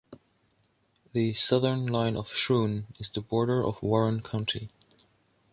The southern line of Schroon is the border of Warren County.